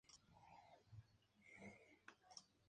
Incluso estudia medicina para salvarle la vida al anciano.